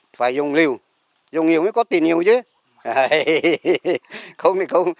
phải dùng nhiều dùng nhiều mới có tiền nhiều chứ